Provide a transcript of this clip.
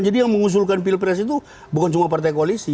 jadi yang mengusulkan pilpres itu bukan cuma partai koalisi